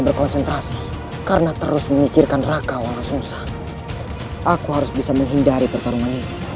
berkonsentrasi karena terus memikirkan raka wala susah aku harus bisa menghindari pertarungan ini